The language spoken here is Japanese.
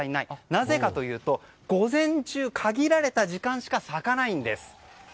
なぜかというと午前中、限られた時間しか咲かないんです。